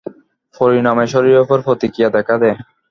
পরিণামে শরীরের উপর প্রতিক্রিয়া দেখা দেয়।